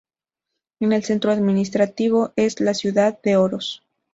El centro administrativo es la ciudad de Oros.